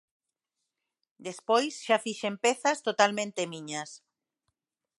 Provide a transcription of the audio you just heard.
Despois xa fixen pezas totalmente miñas.